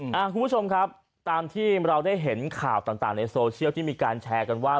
คุณผู้ชมครับตามที่เราได้เห็นข่าวต่างในโซเชียลที่มีการแชร์กันว่า